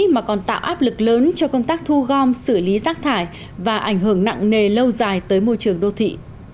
mà còn tạo áp lực lớn cho công tác thu gom xử lý rác thải và ảnh hưởng nặng nề lâu dài tới môi trường đô thị